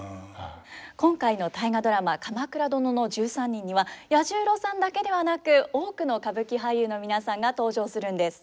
今回の「大河ドラマ鎌倉殿の１３人」には彌十郎さんだけではなく多くの歌舞伎俳優の皆さんが登場するんです。